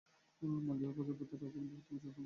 মালদ্বীপে প্রজাতন্ত্রের রাজধানী এবং বৃহত্তম শহর মালে।